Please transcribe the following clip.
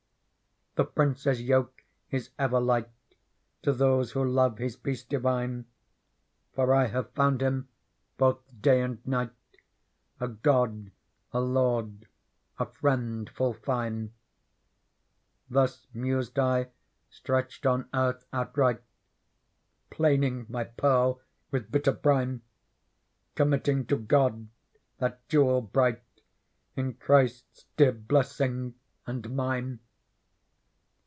The Prince's yoke is ever light To those who love Hift peace divine. For I have found Him, both day and night, A God, a Lord, a Friend full fine. Thus mused I, stretched on earth outright. Plaining my Pearl with bitter brine. Committing to God that Jewel bright In Christes dear blessing and mine.